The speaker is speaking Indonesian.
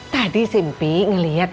tadi si mpih ngeliat